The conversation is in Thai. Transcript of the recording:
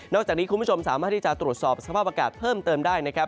จากนี้คุณผู้ชมสามารถที่จะตรวจสอบสภาพอากาศเพิ่มเติมได้นะครับ